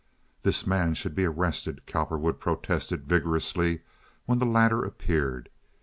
"This man should be arrested," Cowperwood protested, vigorously, when the latter appeared.